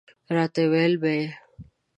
راته ویله به یې.